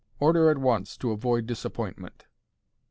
Order at once, to avoid disappointment."